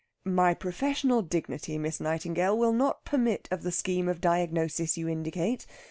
"My professional dignity, Miss Nightingale, will not permit of the scheme of diagnosis you indicate.